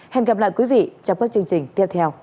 hẹn gặp lại quý vị trong các chương trình tiếp theo